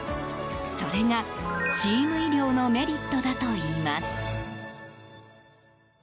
それがチーム医療のメリットだといいます。